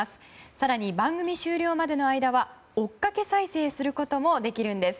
更に番組終了までの間は追っかけ再生もすることもできるんです。